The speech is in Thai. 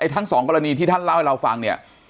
ทั้งสองกรณีที่ท่านเล่าให้เราฟังเนี่ย